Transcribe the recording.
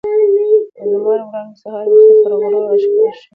د لمر وړانګې سهار وختي پر غرو راښکاره شوې.